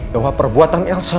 bahwa perbuatan elsa